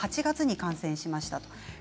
今年の８月に感染しました。